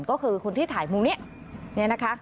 ก็คือคนที่ถ่ายมุมนี้เนี่ยนะคะ